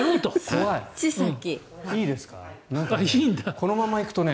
このままいくとね